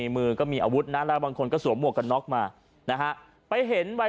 เมืองกรุงกลางเมือง